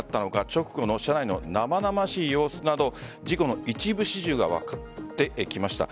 直後の車内の生々しい様子など事故の一部始終が分かってきました。